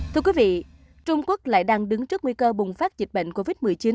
thưa quý vị trung quốc lại đang đứng trước nguy cơ bùng phát dịch bệnh covid một mươi chín